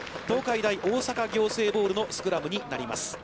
東海大大阪仰星ボールのスクラムになります。